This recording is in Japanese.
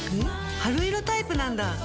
春色タイプなんだ。